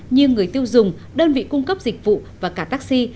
như người tiêu dùng đơn vị cung cấp dịch vụ và cả taxi